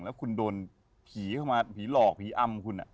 แล้วคุณโดนผีเข้ามาผีหลอกผีอำคุณ